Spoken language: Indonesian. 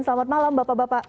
selamat malam bapak bapak